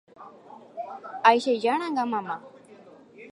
Aichejáranga mama